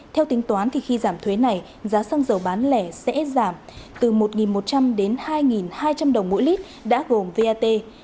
theo tính toán khi giảm thuế này giá xăng dầu bán lẻ sẽ giảm từ một một trăm linh đến hai hai trăm linh đồng mỗi lít đã gồm vat